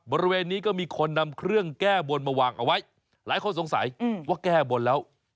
บริเวณนี้ก็มีคนนำเครื่องแก้บนมาวางเอาไว้หลายคนสงสัยว่าแก้บนแล้ว